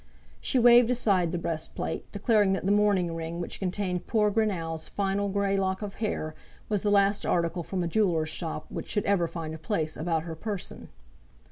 She waved aside the breast plate, declaring that the mourning ring which contained poor Greenow's final grey lock of hair, was the last article from a jeweller's shop which should ever find a place about her person.